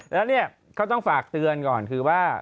แล้วเนี่ยเขาต้องฝากเตือนก่อนคือว่า